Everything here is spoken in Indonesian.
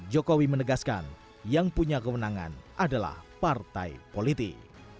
jokowi menegaskan yang punya kewenangan adalah partai politik